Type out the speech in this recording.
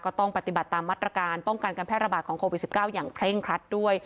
ต้องปฏิบัติตามมาตรการป้องกันการแพร่ระบาดของโควิด๑๙อย่างเคร่งครัดด้วย